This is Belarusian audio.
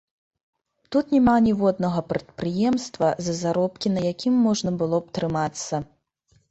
Тут няма ніводнага прадпрыемства, за заробкі на якім можна было б трымацца.